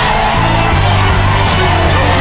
เพื่อชิงทุนต่อชีวิตสุด๑ล้านบาท